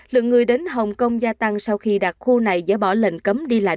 lượng người đến hồng kông gia tăng sau khi đặc khu này dỡ bỏ lệnh cấm đi lại